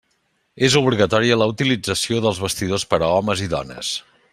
És obligatòria la utilització dels vestidors per a homes i dones.